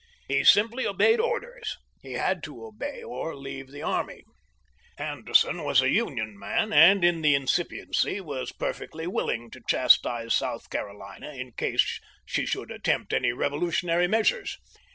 He simply obeyed orders; he had to obey or leave the army. Union Anderson man and, was a in the incipiency, was perfectly willing to chastise South Carolina in case she should attempt any revolutionary measures.